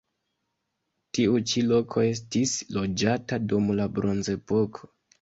Tiu ĉi loko estis loĝata dum la bronzepoko.